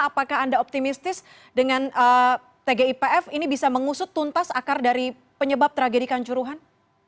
apakah anda optimistis dengan tgipf ini bisa mengusut tuntas akar dari penyebab tragedi kanjuruhan